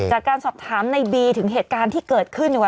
จากการสอบถามในบีถึงเหตุการณ์ที่เกิดขึ้น